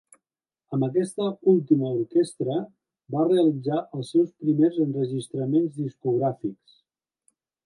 Amb aquesta última orquestra va realitzar els seus primers enregistraments discogràfics.